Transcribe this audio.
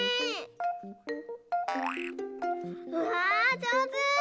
うわじょうず！